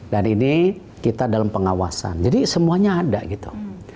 dan ini kita dalam pengawasan jadi semuanya ada gitu